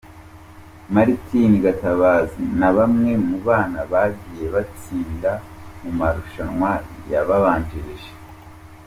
Martine Gatabazi na bamwe mu bana bagiye batsinda mu marushanwa yabanjirije iri.